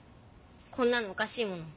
こんなのおかしいもん。